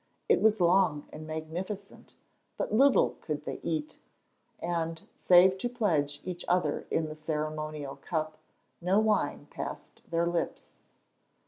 It was long and magnificent; but little could they eat, and, save to pledge each other in the ceremonial cup, no wine passed their lips.